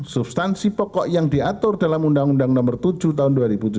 substansi pokok yang diatur dalam undang undang nomor tujuh tahun dua ribu tujuh belas